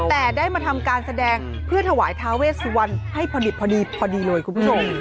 แต่ได้มาทำการแสดงเพื่อถวายทาเวสวันให้พอดิบพอดีพอดีเลยคุณผู้ชม